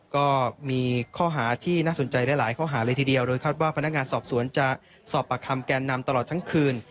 ก็มีข้อหาที่น่าสนใจหลายข้อหาเลยทีเดียวโดยคาดว่าพนักงานสอบสวนจะสอบปากคำแกนนำตลอดทั้งคืน